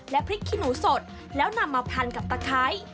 แล้วนำมาพันกับตะไคร้